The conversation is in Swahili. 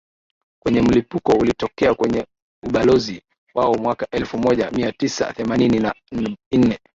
kwenye mlipuko ulitokea kwenye Ubalozi wao mwaka elfumoja miatisa themanini na bnane